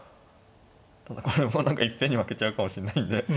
ただこれもいっぺんに負けちゃうかもしれないんで。